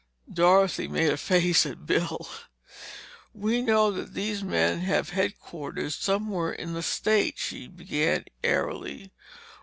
Dorothy made a face at Bill. "We know that these men have headquarters somewhere in this state," she began airily.